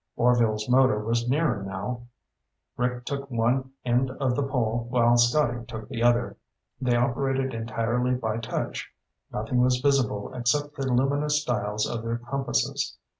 Orvil's motor was nearer now. Rick took one end of the pole while Scotty took the other. They operated entirely by touch; nothing was visible except the luminous dials of their compasses.